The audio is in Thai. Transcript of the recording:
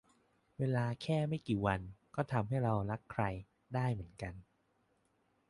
เวลาแค่ไม่กี่วัน ก็ทำให้เรารักใคร ได้เหมือนกัน